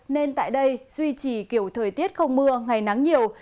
nên tại đây duy trì kiểu thời tiết không mưa ngày nắng nhiều